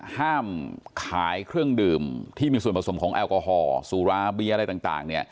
ห้ามขายเครื่องดื่มที่มีส่วนผสมของแอลกอฮอลสุราเบียอะไรต่าง